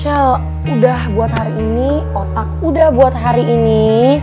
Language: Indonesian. ya udah buat hari ini otak udah buat hari ini